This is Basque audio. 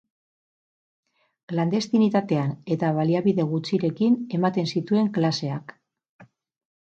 Klandestinitatean eta baliabide gutxirekin ematen zituen klaseak.